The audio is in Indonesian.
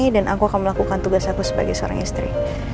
dan aku akan melakukan tugas aku sebagai seorang istri